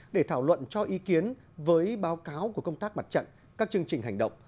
để thảo luận cho ý kiến với báo cáo của công tác mặt trận các chương trình hành động